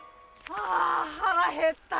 あ腹へった！